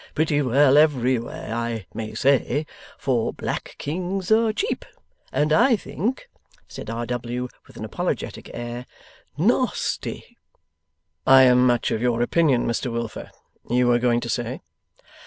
Pretty well everywhere, I may say; for black kings are cheap and I think' said R. W., with an apologetic air, 'nasty'. 'I am much of your opinion, Mr Wilfer. You were going to say